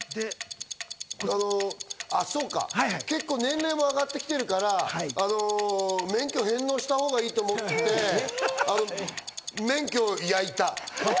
結構、年齢も上がってきてるから免許返納したほうがいいと思って、免許を焼いた。